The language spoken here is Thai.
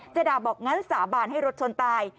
ด่าบอกงั้นสาบานให้รถชนตาย